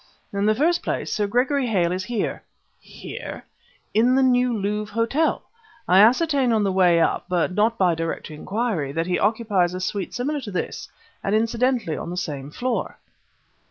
In the first place, Sir Gregory Hale is here " "Here?" "In the New Louvre Hotel. I ascertained on the way up, but not by direct inquiry, that he occupies a suite similar to this, and incidentally on the same floor."